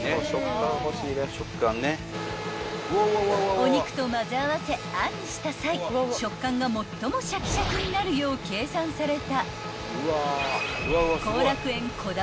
［お肉と交ぜ合わせ餡にした際食感が最もシャキシャキになるよう計算された］